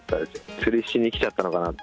釣りしに来ちゃったのかなと。